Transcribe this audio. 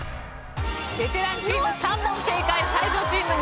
ベテランチーム３問正解才女チーム